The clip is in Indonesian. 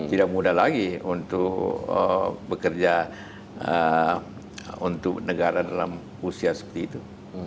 tidak mudah lagi untuk bekerja untuk negara dalam usia seperti itu